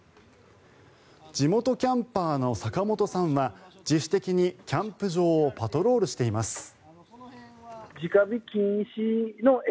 地元キャンパーの坂本さんは自主的にキャンプ場をパトロールしています。